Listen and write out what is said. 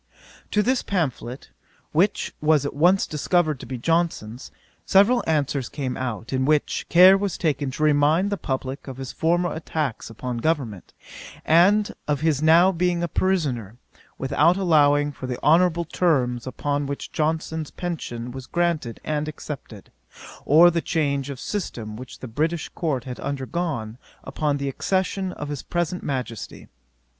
To this pamphlet, which was at once discovered to be Johnson's, several answers came out, in which, care was taken to remind the publick of his former attacks upon government, and of his now being a pensioner, without allowing for the honourable terms upon which Johnson's pension was granted and accepted, or the change of system which the British court had undergone upon the accession of his present Majesty.